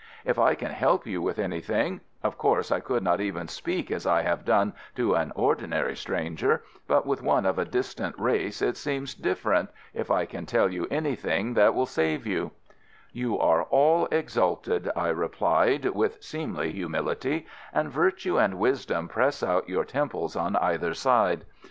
If I can help you with anything of course I could not even speak as I have done to an ordinary stranger, but with one of a distant race it seems different if I can tell you anything that will save you " "You are all exalted," I replied, with seemly humility, "and virtue and wisdom press out your temples on either side.